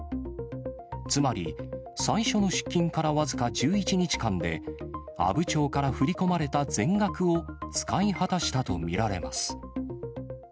つまり、最初の出金から僅か１１日間で、阿武町から振り込まれた全額を使い果たしたと見られます。